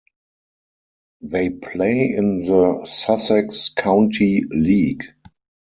They play in the Sussex County League.